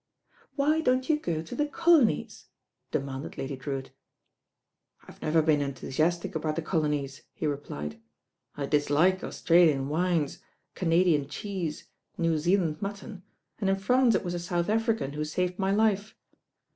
"Why don't you go to the colonies?" demanded I ady Drewitt. "I have never been enthusiastic about the colo nies," he replied. "I dislike Australian winct,, Canadian cheese, New Zealand mutton, and in France it was a South African who saved my life.